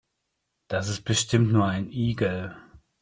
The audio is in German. Das ist bestimmt nur ein Igel.